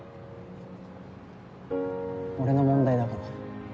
俺の問題だから。